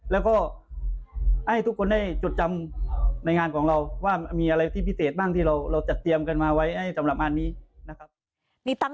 แล้วก็ให้ทุกคนได้จดจำในงานของเรา